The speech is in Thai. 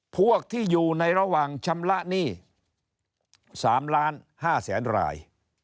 พวกที่อยู่ในระหว่างชำระหนี้๓๕๐๐๐๐ราย